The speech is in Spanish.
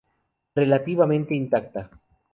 Relativamente intacta.